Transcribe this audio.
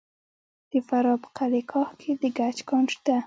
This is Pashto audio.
د فراه په قلعه کاه کې د ګچ کان شته.